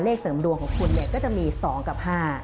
เลขเสริมดวงของคุณก็จะมี๒กับ๕